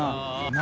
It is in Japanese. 何？